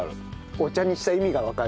お茶にした意味がわかる。